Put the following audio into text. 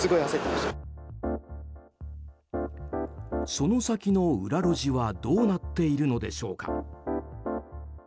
その先の裏路地はどうなっているのでしょうか。